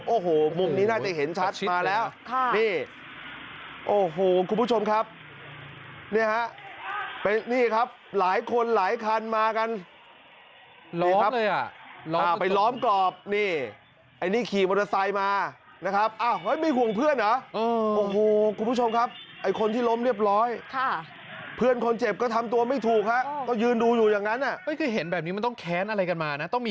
โอ้โหคุณผู้ชมครับเนี้ยฮะเป็นนี่ครับหลายคนหลายคันมากันล้อมเลยอ่ะล้อมไปล้อมกรอบนี่ไอ้นี่ขี่มอเตอร์ไซค์มานะครับอ้าวเฮ้ยไม่ห่วงเพื่อนหรอโอ้โหคุณผู้ชมครับไอ้คนที่ล้มเรียบร้อยค่ะเพื่อนคนเจ็บก็ทำตัวไม่ถูกฮะก็ยืนดูอยู่อย่างนั้นอ่ะเฮ้ยคือเห็นแบบนี้มันต้องแค้นอะไรกันมานะต้องม